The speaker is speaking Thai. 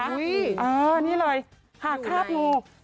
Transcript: อันนี้เลยคราบงู